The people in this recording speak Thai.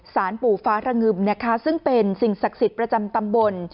ปู่ฟ้าระงึมนะคะซึ่งเป็นสิ่งศักดิ์สิทธิ์ประจำตำบล